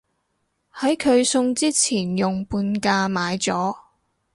喺佢送之前用半價買咗